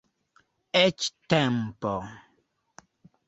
Eĉ tempo.